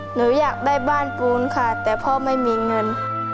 หนูอยากได้บ้านปูนค่ะแต่พ่อไม่มีเงิน